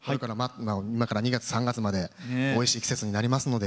２月、３月までおいしい季節になりますので。